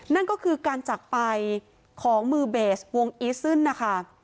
นั่นก็คือการจักรไปของมือเบสวงอีซึนนะคะ